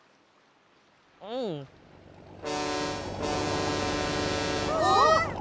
うん。あっ！